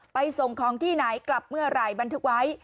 ส่งของที่ไหนกลับเมื่อไหร่บันทึกไว้